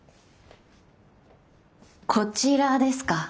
こちらですか？